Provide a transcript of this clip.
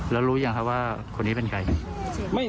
แล้วรู้ยังว่าคนนี้เป็นไง